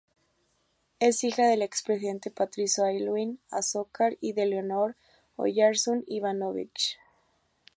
Es hija del ex presidente Patricio Aylwin Azócar y de Leonor Oyarzún Ivanovic.